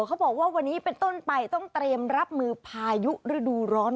เขาบอกว่าวันนี้เป็นต้นไปต้องเตรียมรับมือพายุฤดูร้อน